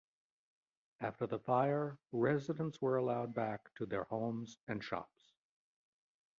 After the fire residents were allowed back to their homes and shops.